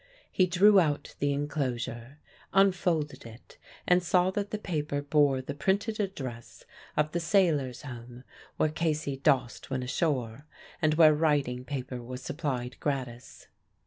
He drew out the inclosure, unfolded it, and saw that the paper bore the printed address of the Sailors' Home where Casey dossed when ashore, and where writing paper was supplied gratis.